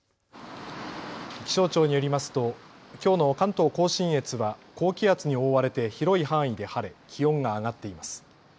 気象庁によりますときょうの関東甲信越は高気圧に覆われて広い範囲で晴れ気温が上がっています。